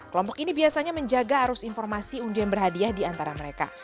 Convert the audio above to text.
kelompok ini biasanya menjaga arus informasi undian berhadiah di antara mereka